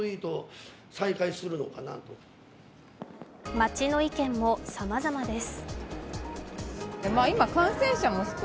街の意見もさまざまです。